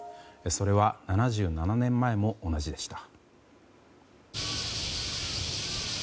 それは７７年前も同じでした。